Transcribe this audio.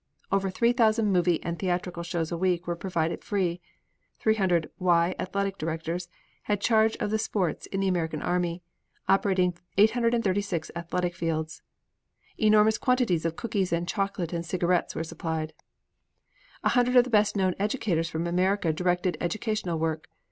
Over 3,000 movie and theatrical shows a week were provided free, and 300 "Y" athletic directors had charge of the sports in the American army, operating 836 athletic fields. Enormous quantities of cookies and chocolate and cigarettes were supplied. A hundred of the best known educators from America directed educational work.